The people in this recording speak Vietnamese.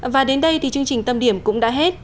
và đến đây thì chương trình tâm điểm cũng đã hết